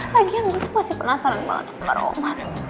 lagian gue tuh pasti penasaran banget sama roman